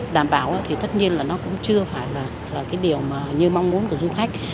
đảm bảo thì tất nhiên nó cũng chưa phải là điều như mong muốn của du khách